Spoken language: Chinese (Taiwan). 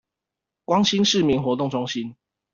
光興市民活動中心